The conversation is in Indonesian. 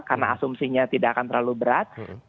karena asumsinya tidak akan terlalu berat